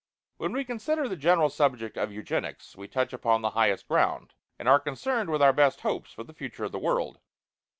When we consider the general subject of Eugenics we touch upon the highest ground, and are concerned with our best hopes for the future of the world.